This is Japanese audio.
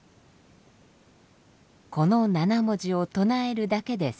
「この７文字を唱えるだけで救われる」。